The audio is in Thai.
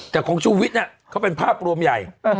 แต่ของชูวิทย์เขาเป็นภาพรวมใหญ่